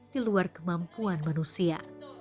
di luar kemampuan manusia